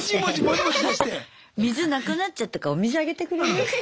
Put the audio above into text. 水なくなっちゃったからお水あげてくれる？